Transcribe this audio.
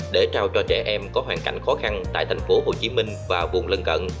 để trao cho trẻ em có hoàn cảnh khó khăn tại thành phố hồ chí minh và vùng lân cận